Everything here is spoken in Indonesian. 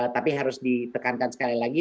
tapi harus ditekankan sekali lagi